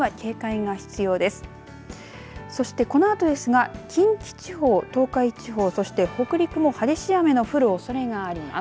このあとですが近畿地方東海地方そして北陸も激しい雨の降るおそれがあります。